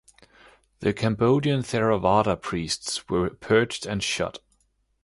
The Cambodian Theravada priests were purged and shot.